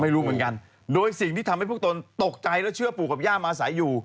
ไม่รู้เหมือนกันโดยสิ่งที่ทำให้พวกตนตกใจและเชื่อปู่กับย่ามาอาศัยอยู่